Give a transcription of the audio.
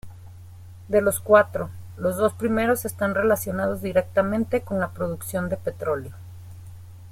De los cuatro, los dos primeros están relacionados directamente con la producción de petróleo.